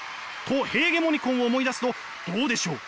ト・ヘーゲモニコンを思い出すとどうでしょう？